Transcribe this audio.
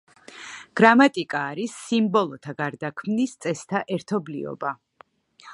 გრამატიკა არის სიმბოლოთა გარდაქმნის წესთა ერთობლიობა.